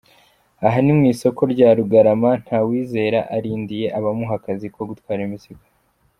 Aha ni mu isoko rya Rugarama, Ntawizera arindiriye abamuha akazi ko gutwara imizigo.